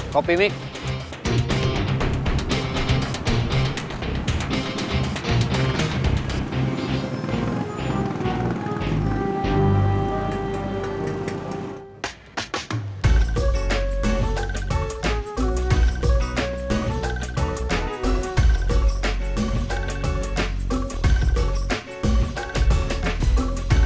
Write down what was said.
kamu juga pasti takut kayak saya